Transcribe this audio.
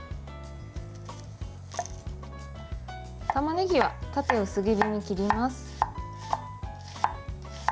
たまねぎは縦薄切りに切ります。